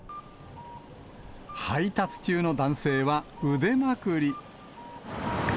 配達中の男性は、腕まくり。